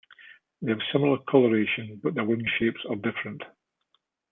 They have similar coloration, but their wing shapes are different.